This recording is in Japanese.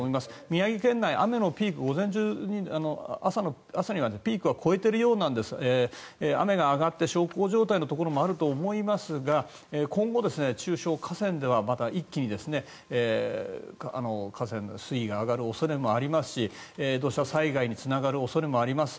宮城県内、雨のピークは午前中に朝にはピークは越えているようですが雨が上がって小康状態のところもあると思いますが今後、中小河川では一気に河川の水位が上がる恐れもありますし土砂災害につながる恐れもあります。